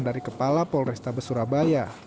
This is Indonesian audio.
dari kepala polresta besurabaya